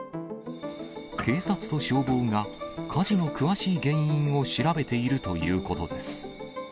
警察と消防が火事の詳しい原因を調べているということです。